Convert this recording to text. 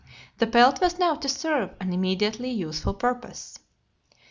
The pelt was now to serve an immediately useful purpose.